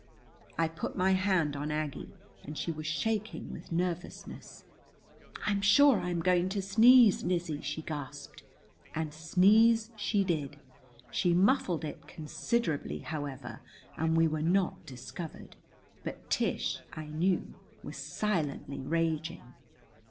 I put my hand on Aggie, and she was shaking with nervousness. "I am sure I am going to sneeze, Lizzie," she gasped. And sneeze she did. She muffled it considerably, however, and we were not discovered. But, Tish, I knew, was silently raging.